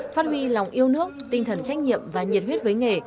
phát huy lòng yêu nước tinh thần trách nhiệm và nhiệt huyết với nghề